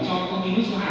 cho công ty nước số hai